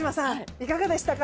いかがでしたか？